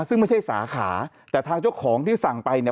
ซึ่งไม่ใช่สาขาแต่ทางเจ้าของที่สั่งไปเนี่ย